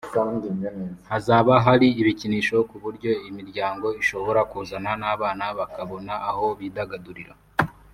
hazaba hari ibikinisho ku buryo imiryango ishobora kuzana n’abana bakabona aho bidagadurira